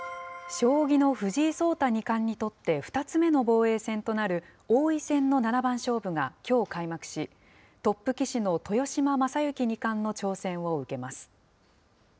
将棋の藤井聡太二冠にとって、２つ目の防衛戦となる、王位戦の七番勝負がきょう開幕し、トップ棋士の豊島将之二冠の挑戦を受けます。